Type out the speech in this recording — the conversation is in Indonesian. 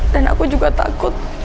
dan aku juga takut